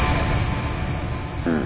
うん。